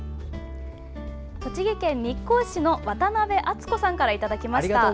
栃木県日光市の渡邊厚子さんからいただきました。